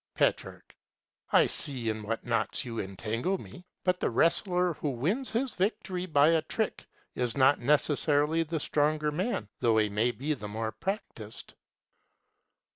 Petrarch. I see in what knots you entangle me. But the wrestler who wins his victory by a trick is not necessarily the stronger man, though he may be the more practised.